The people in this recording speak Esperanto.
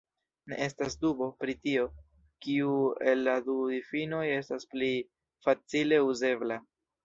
Ne estas dubo, pri tio, kiu el la du difinoj estas pli facile uzebla...